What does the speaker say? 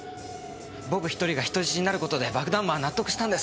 僕１人が人質になる事で爆弾魔は納得したんです。